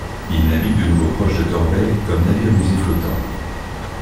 Il navigue de nouveau proche de Torbay, comme navire-musée flottant.